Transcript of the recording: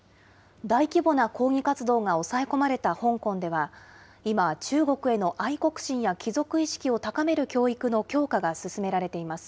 大規模な抗議活動が抑え込まれた香港では、今、中国への愛国心や、帰属意識を高める教育の強化が進められています。